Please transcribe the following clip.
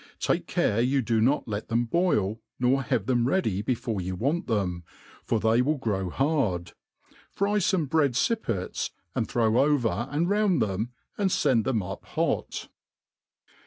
Take care you do not let them boil, nor have theoi ready before you want them, for they will grow hard ; fry feme bread fippets, and throw over and round them^ and fend tbeoi up hot.